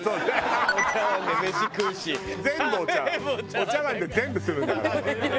お茶碗で全部するんだから。